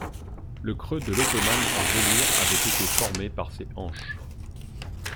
Le creux de l'ottomane en velours avait été formé par ses hanches.